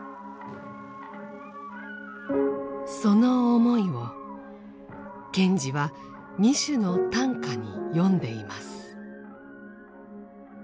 その思いを賢治は２首の短歌に詠んでいます。